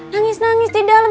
nangis nangis di dalem